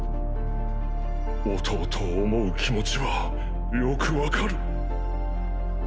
弟を思う気持ちはよくわかる。